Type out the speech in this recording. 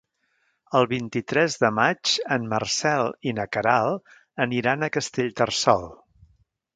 El vint-i-tres de maig en Marcel i na Queralt aniran a Castellterçol.